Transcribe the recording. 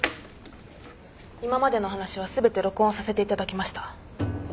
今までの話は全て録音させていただきました。